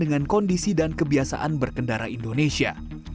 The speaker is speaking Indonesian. dengan kondisi dan kebiasaan berkendara indonesia